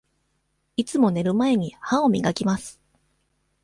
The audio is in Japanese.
いつも寝る前に、歯を磨きます。